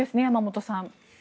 山本さん。